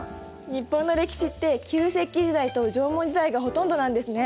日本の歴史って旧石器時代と縄文時代がほとんどなんですね！